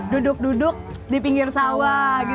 duduk duduk di pinggir sawah